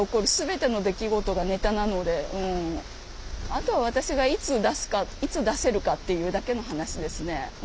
あとは私がいつ出すかいつ出せるかっていうだけの話ですね。